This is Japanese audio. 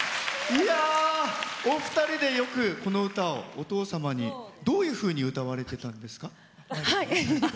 お二人でよくこの歌をお父様に、どういうふうに歌われてたんですか？